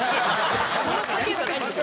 その「かけ」じゃないんですよ。